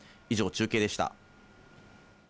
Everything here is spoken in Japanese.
以上、中継でした。